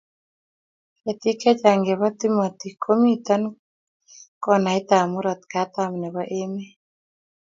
ketik chechang' chebo tomote ko mito konaitab murot katam nebo emet